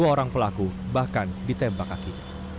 sepuluh orang pelaku bahkan ditembak kaki